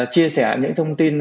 chia sẻ những thông tin